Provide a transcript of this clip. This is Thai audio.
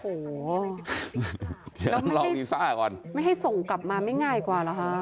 โอ้โหต้องลองวีซ่าก่อนไม่ให้ส่งกลับมาไม่ง่ายกว่าเหรอคะ